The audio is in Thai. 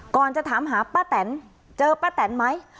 ก่อนจะถามหาป้าแตนเจอป้าแตนไหม